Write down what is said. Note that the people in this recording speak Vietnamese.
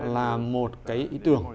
là một cái ý tưởng